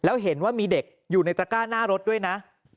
แล้วเห็นว่ามีเด็กอยู่ในตระก้าหน้ารถด้วยนะ